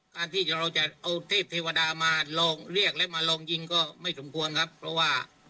การที่เราจะเอาเทพเทวดามาลองเรียกและมาลองยิงก็ไม่สมควรครับเพราะว่า